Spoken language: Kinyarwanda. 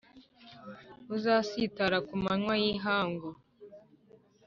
Uzasitara ku manywa y’ihangu,